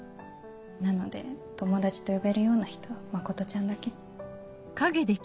なので友達と呼べるような人は真ちゃんだけ。